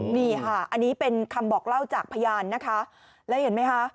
นี่ค่ะอันนี้เป็นคำบอกเล่าจากพยานนะคะแล้วเห็นไหมคะ